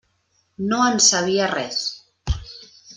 No en sabia res.